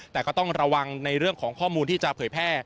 แต่ก็ต้องระวังในเรื่องของข้อมูลที่จะเผยแพร่